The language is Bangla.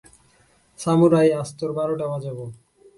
সামুরাই, আজ তোর বারোটা বাজাবো।